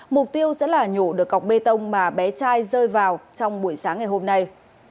mục tiêu sẽ là nhổ được cọc bê tông mà bé trai rơi vào trong buổi sáng ngày hôm nay